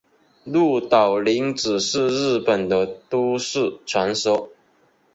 鹿岛零子是日本的都市传说。